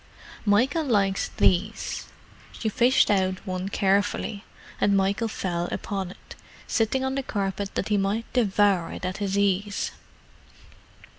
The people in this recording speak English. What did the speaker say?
"Michael likes these." She fished one out carefully, and Michael fell upon it, sitting on the carpet that he might devour it at his ease.